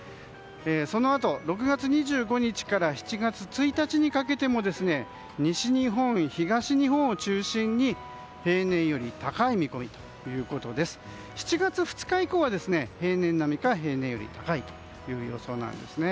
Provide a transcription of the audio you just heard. そのあと、６月２５日から７月１日にかけても西日本、東日本を中心に平年より高い見込みということで７月２日以降は平年並みか平年より高いという予想なんですね。